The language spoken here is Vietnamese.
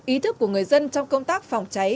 ý thức của người dân trong công tác phòng cháy